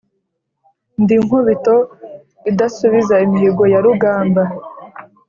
Ndi Nkubito idasubiza imihigo ya rugamba,